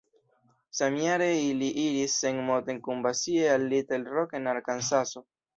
Samjare ili iris sen Moten kun Basie al Little Rock en Arkansaso.